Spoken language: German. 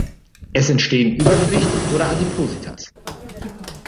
Es entstehen Übergewicht oder Adipositas.